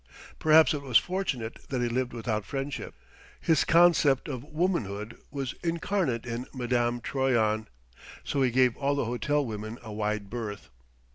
Perhaps it was fortunate that he lived without friendship. His concept of womanhood was incarnate in Madame Troyon; so he gave all the hotel women a wide berth.